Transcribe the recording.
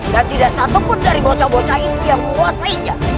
dan tidak satupun dari bocah bocah itu yang menguasainya